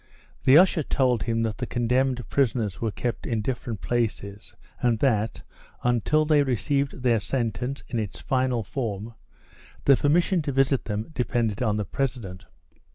The usher told him that the condemned prisoners were kept in different places, and that, until they received their sentence in its final form, the permission to visit them depended on the president.